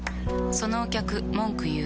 そのお客文句言う。